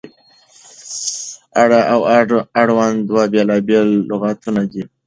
اړه او اړوند دوه بېلابېل لغتونه دي.